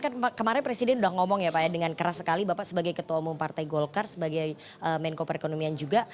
kan kemarin presiden sudah ngomong ya pak ya dengan keras sekali bapak sebagai ketua umum partai golkar sebagai menko perekonomian juga